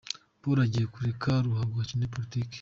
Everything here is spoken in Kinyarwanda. Poro agiye kureka ruhago akine politiki